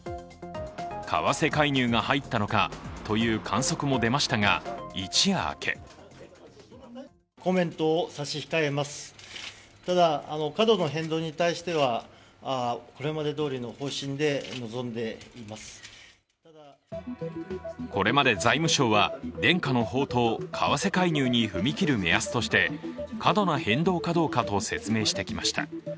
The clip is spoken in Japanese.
為替介入が入ったのかという観測も出ましたが一夜明けこれまで財務省は、伝家の宝刀為替介入に踏み切る目安として過度な変動かどうかと説明してきました。